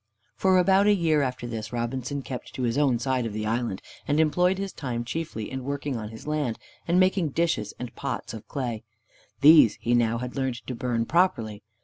For about a year after this Robinson kept to his own side of the island, and employed his time chiefly in working on his land, and in making dishes and pots of clay. These he had now learned to burn properly.